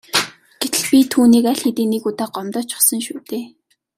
Гэтэл би түүнийг аль хэдийн нэг удаа гомдоочихсон шүү дээ.